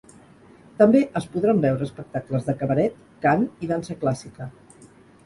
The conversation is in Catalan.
També es podran veure espectacles de cabaret, cant i dansa clàssica.